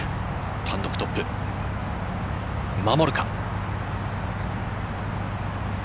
単独トップを守るか？